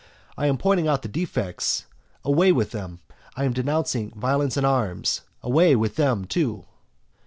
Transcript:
I am pointing out the defects, away with them! I am denouncing violence and arms, away with them too!